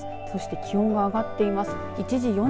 そして気温が上がっています。